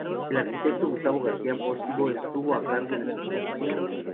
El arquitecto Gustavo García Postigo estuvo a cargo de su proyección.